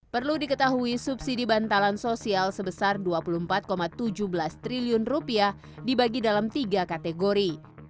perlu diketahui subsidi bantalan sosial sebesar rp dua puluh empat tujuh belas triliun dibagi dalam tiga kategori